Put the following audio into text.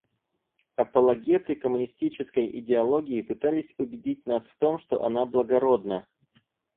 Апологеты коммунистической идеологии пытались убедить нас в том, что она благородна.